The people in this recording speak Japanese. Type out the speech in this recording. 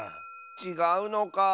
ちがうのか。